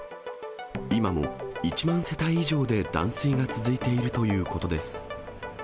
今も１万世帯以上で断水が続いているということです。